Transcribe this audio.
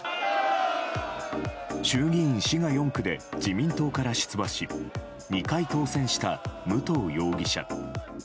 衆議院滋賀４区で自民党から出馬し２回当選した武藤容疑者。